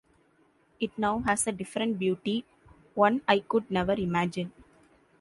It now has a different beauty, one I could never imagine.